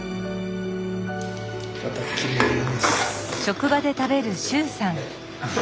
いただきます。